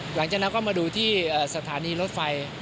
หลังจากนั้นก็มาดูที่สถานีรถไฟ